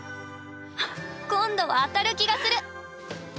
今度は当たる気がする！